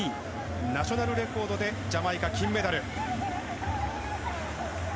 ナショナルレコードでジャマイカ、金メダル。